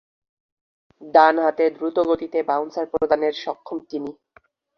ডানহাতে দ্রুতগতিতে বাউন্সার প্রদানের সক্ষম তিনি।